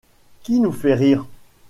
Qui nous fait rire!